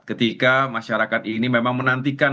ketika masyarakat ini memang menantikan